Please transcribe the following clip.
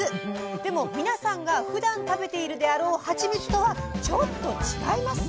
でも皆さんがふだん食べているであろうハチミツとはちょっと違います。